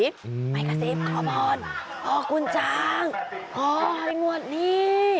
ไปกระซิบข้อพรพ่อขุนช้างพ่อพี่นวดนี่